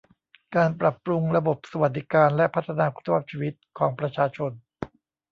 การปรับปรุงระบบสวัสดิการและพัฒนาคุณภาพชีวิตของประชาชน